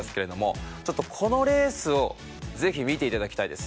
ちょっとこのレースをぜひ見ていただきたいです。